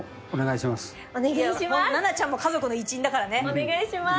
お願いします